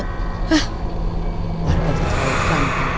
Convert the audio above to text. hah warga di jauhkan